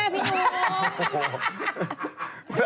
กี่ปีแล้วเนี่ยพี่หนุ่ม